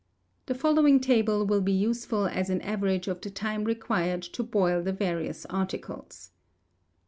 The following Table will be useful as an average of the time required to boil the various articles: H.